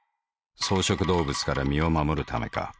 草食動物から身を護るためか。